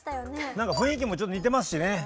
何か雰囲気もちょっと似てますしね。